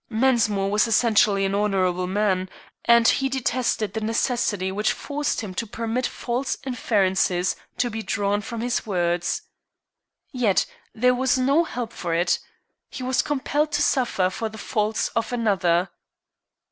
Mensmore was essentially an honorable man, and he detested the necessity which forced him to permit false inferences to be drawn from his words. Yet there was no help for it. He was compelled to suffer for the faults of another.